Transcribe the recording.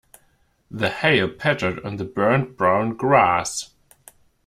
The hail pattered on the burnt brown grass.